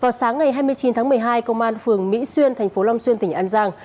vào sáng ngày hai mươi chín tháng một mươi hai công an phường mỹ xuyên thành phố long xuyên tỉnh an giang